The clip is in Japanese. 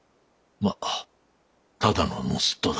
まっただの盗人だ。